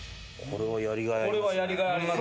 これはやりがいあります。